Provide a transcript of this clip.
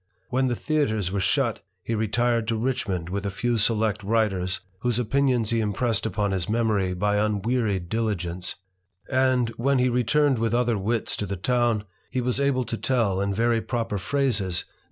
When the theatre were shut, he retired to Richmond with a few select writers, whose opinions he impressed upon his memory by un wearied diligence; and, when he returned with other wits to the town, was able to tell, in very proper phrases, that * Note XXXil.